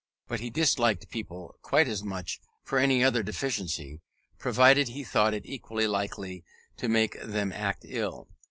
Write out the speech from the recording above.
But he disliked people quite as much for any other deficiency, provided he thought it equally likely to make them act ill.